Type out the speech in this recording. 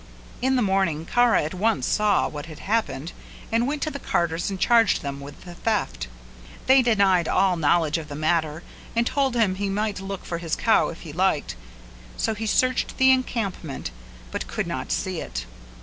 In the morning Kara at once saw what had happened and went to the carters and charged them with the theft; they denied all knowledge of the matter and told him he might look for his cow if he liked; so he searched the encampment but could not see it.